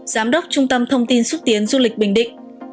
giám đốc trung tâm thông tin xúc tiến du lịch bình định